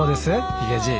ヒゲじい。